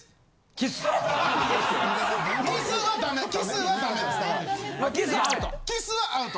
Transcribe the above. キスはアウト。